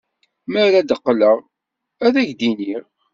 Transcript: Mi ara d-qqleɣ, ad ak-d-iniɣ.